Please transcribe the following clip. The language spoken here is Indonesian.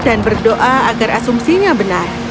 dan berdoa agar asumsinya benar